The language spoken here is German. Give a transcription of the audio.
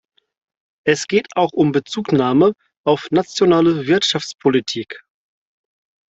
Es geht auch um Bezugnahme auf nationale Wirtschaftspolitik.